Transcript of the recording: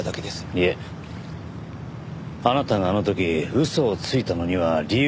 いえあなたがあの時嘘をついたのには理由がある。